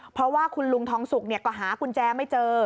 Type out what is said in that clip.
เพราะว่าคุณลุงทองสุกก็หากุญแจไม่เจอ